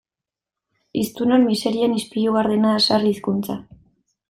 Hiztunon miserien ispilu gardena da sarri hizkuntza.